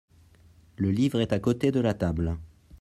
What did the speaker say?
Le livre est à côté de la table.